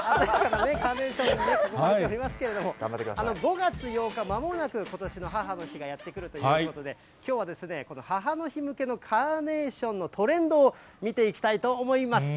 カーネーションがありますけれども、５月８日、まもなくことしの母の日がやって来るということで、きょうは母の日向けのカーネーションのトレンドを見ていきたいと思います。